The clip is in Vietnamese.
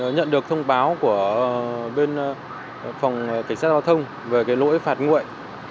nhận được thông báo của bên phòng cảnh sát giao thông về lỗi phạt nguội